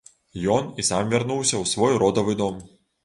Ён і сам вярнуўся ў свой родавы дом.